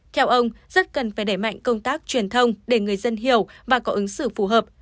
theo ông rất cần phải đẩy mạnh công tác truyền thông để người dân hiểu và có ứng xử phù hợp